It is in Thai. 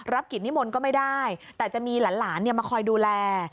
กิจนิมนต์ก็ไม่ได้แต่จะมีหลานมาคอยดูแล